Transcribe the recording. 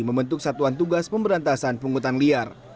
membentuk satuan tugas pemberantasan pungutan liar